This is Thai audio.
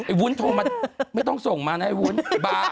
วุ้นโทรมาไม่ต้องส่งมานะไอวุ้นบาท